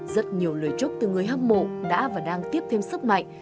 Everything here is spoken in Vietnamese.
rất nhiều lời chúc từ người hâm mộ đã và đang tiếp thêm sức mạnh